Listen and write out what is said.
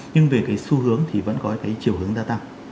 nhưng về cái xu hướng thì vẫn có cái chiều hướng gia tăng